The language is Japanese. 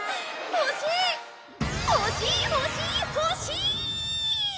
欲しい欲しい欲しい！